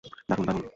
দারুন, দারুন।